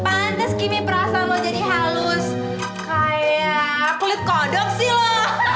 pantes gini perasaan lo jadi halus kayak kulit kodok sih lo